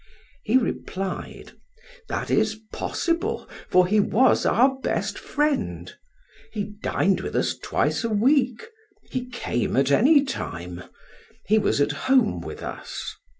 He replied: "That is possible, for he was our best friend. He dined with us twice a week; he came at any time; he was at home with us.